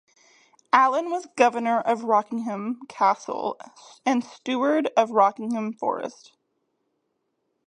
Alan was governor of Rockingham Castle and steward of Rockingham Forest.